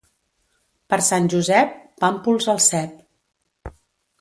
Per Sant Josep, pàmpols al cep.